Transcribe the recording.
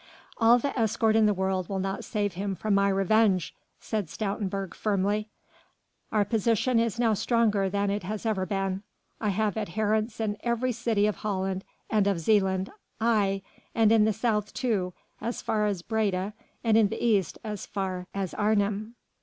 "All the escort in the world will not save him from my revenge," said Stoutenburg firmly. "Our position now is stronger than it has ever been. I have adherents in every city of Holland and of Zealand, aye, and in the south too as far as Breda and in the east as far as Arnhem.